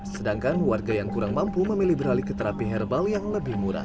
sedangkan warga yang kurang mampu memilih beralih ke terapi herbal yang lebih murah